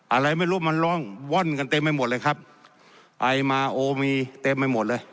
อะไรไม่รู้มันร่องว่อนกันเต็มไปหมดเลยครับไปมาโอ้มีเต็มไปหมดเลย